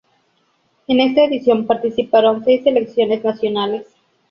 En esta edición participaron seis selecciones nacionales.